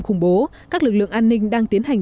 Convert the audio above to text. khủng bố các lực lượng an ninh đang tiến hành